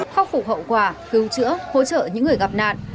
khắc phục hậu quả cứu chữa hỗ trợ những người gặp nạn